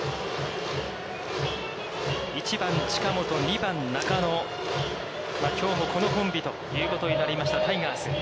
１番近本、２番中野、きょうもこのコンビということになりました、タイガース。